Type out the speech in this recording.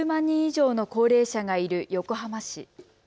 人以上の高齢者がいる横浜市。